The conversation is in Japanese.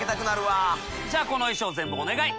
じゃこの衣装全部お願い！